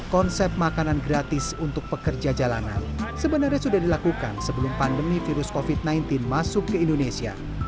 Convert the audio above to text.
konsep makanan gratis untuk pekerja jalanan sebenarnya sudah dilakukan sebelum pandemi virus covid sembilan belas masuk ke indonesia